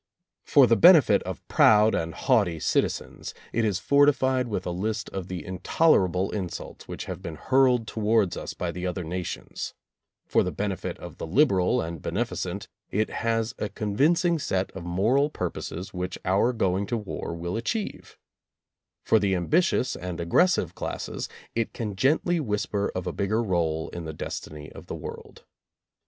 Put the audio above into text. For the benefit of proud and haughty citizens, it is fortified with a list of the intolerable insults which have been hurled to wards us by the other nations ; for the benefit of the liberal and beneficent, it has a convincing set of moral purposes which our going to war will achieve; for the ambitious and aggressive classes, it can gently whisper of a bigger role in the destiny of the world.